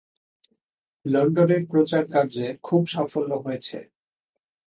লণ্ডনের প্রচারকার্যে খুব সাফল্য হয়েছে।